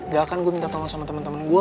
gak akan gue minta tolong sama temen temen gue